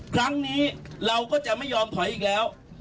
ครั้งนี้เราก็จะไม่ยอมถอยอีกแล้ว